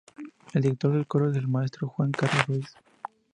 El director del coro es el Maestro Juan Carlos Ruiz.